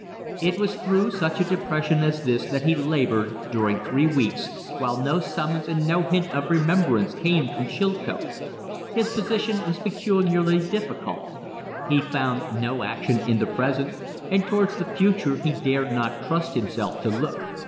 It was through such a depression as this that he labored during three weeks, while no summons and no hint of remembrance came from Chilcote. His position was peculiarly difficult. He found no action in the present, and towards the future he dared not trust himself to look.